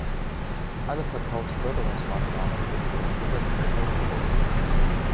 Alle Verkaufsförderungsmaßnahmen wurden während dieser Zeit ausgesetzt.